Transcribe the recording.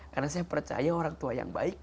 karena saya percaya orang tua yang baik